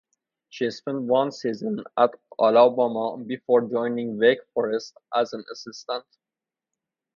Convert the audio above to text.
She spent one season at Alabama before joining Wake Forest as an assistant.